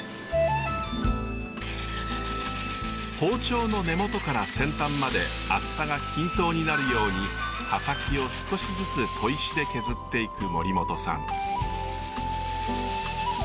包丁の根元から先端まで厚さが均等になるように刃先を少しずつ砥石で削っていく森本さん。